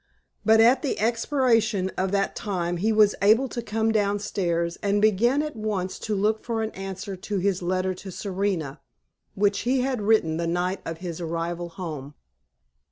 But at the expiration of that time he was able to come down stairs, and began at once to look for an answer to his letter to Serena, which he had written the night of his arrival home.